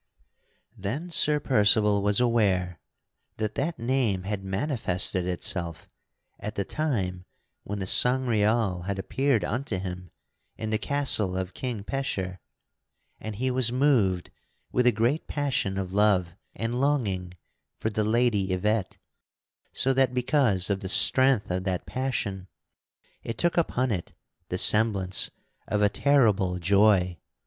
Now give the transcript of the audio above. Then Sir Percival was aware that that name had manifested itself at the time when the Sangreal had appeared unto him in the castle of King Pecheur, and he was moved with a great passion of love and longing for the Lady Yvette; so that, because of the strength of that passion, it took upon it the semblance of a terrible joy.